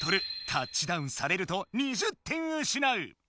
タッチダウンされると２０点うしなう！